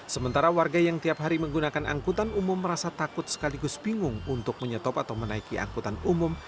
sementara warga yang tiap hari menggunakan angkutan umum merasa takut sekaligus bingung untuk menyetop atau menaiki angkutan umum